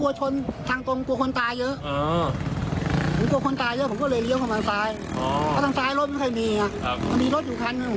และถนอย่างนี้หน่อย